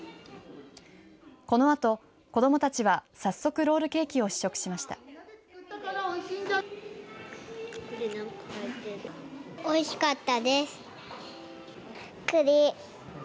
このあと、子どもたちは早速ロールケーキを試食しました。